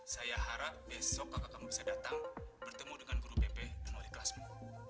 saya harap besok kakak kamu bisa datang bertemu dengan guru pp dan melalui kelasmu